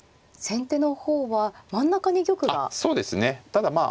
ただまあ